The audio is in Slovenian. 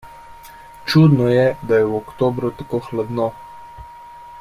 Čudno je, da je v oktobru tako hladno.